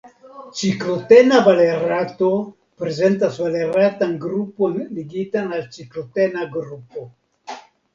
Ciklotena valerato prezentas valeratan grupon ligitan al ciklotena grupo.